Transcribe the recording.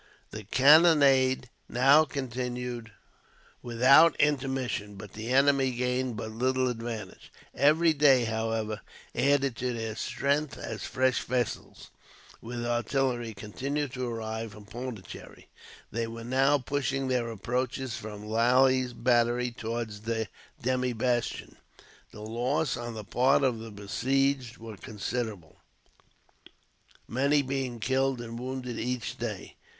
The cannonade now continued without intermission, but the enemy gained but little advantage. Every day, however, added to their strength, as fresh vessels with artillery continued to arrive from Pondicherry. They were now pushing their approaches from Lally's Battery towards the demi bastion. The losses on the part of the besieged were considerable, many being killed and wounded each day.